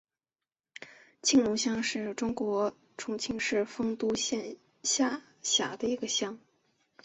青龙乡是中国重庆市丰都县下辖的一个乡。